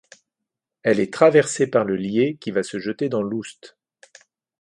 Elle est traversée par le Lié qui va se jeter dans l'Oust.